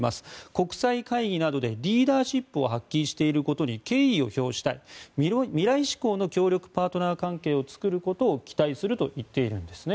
国際会議などでリーダーシップを発揮していることに敬意を表したい未来志向の協力パートナー関係を作ることを期待すると言っているんですね。